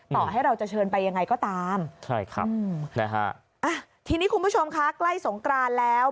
ต่อให้เราจะเชิญไปยังไงก็ตามทีนี้คุณผู้ชมค่ะใกล้สงกรานแล้ว